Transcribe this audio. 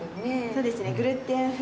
そうですね。